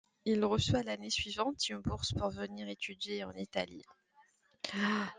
Il reçoit l'année suivante une bourse pour venir étudier en Italie.